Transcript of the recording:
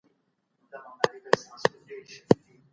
سیاستپوهنې تر اوسه کومه تلپاتې بنسټیزه هسته نه ده موندلې.